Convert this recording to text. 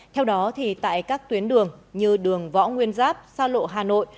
theo đó thì tại các tuyến đường như đường võ nguyên giáp sao lộ hà nội